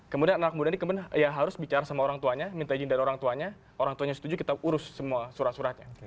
kemudian anak muda ini kemudian ya harus bicara sama orang tuanya minta izin dari orang tuanya orang tuanya setuju kita urus semua surat suratnya